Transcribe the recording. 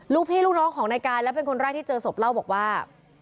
ลูกพี่ลูกน้องของนายกายและเป็นคนแรกที่เจอศพเล่าบอกว่า